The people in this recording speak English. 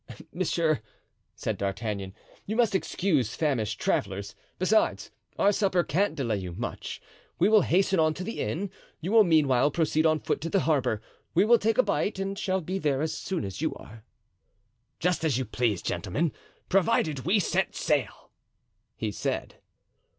"Monsieur," said D'Artagnan, "you must excuse famished travelers. Besides, our supper can't delay you much. We will hasten on to the inn; you will meanwhile proceed on foot to the harbor. We will take a bite and shall be there as soon as you are." "Just as you please, gentlemen, provided we set sail," he said.